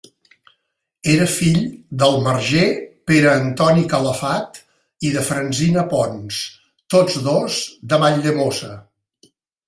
Era fill del marger Pere Antoni Calafat i de Francina Pons, tots dos de Valldemossa.